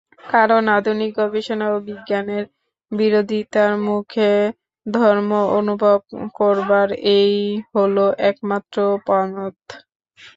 কারণ আধুনিক গবেষণা ও বিজ্ঞানের বিরোধিতার মুখে ধর্ম অনুভব করবার এই হল একমাত্র পথ।